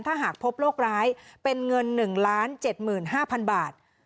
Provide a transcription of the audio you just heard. ถ้าหากพบโรคร้ายเป็นเงิน๑๗๕๐๐๐บาท